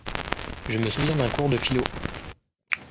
Je me souviens d’un cours de philo.